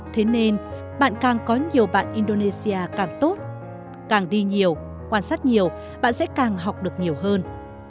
thế nên bạn càng có nhiều bạn indonesia càng tốt càng đi nhiều quan sát nhiều bạn sẽ càng học được nhiều hơn